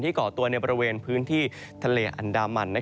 ก่อตัวในบริเวณพื้นที่ทะเลอันดามัน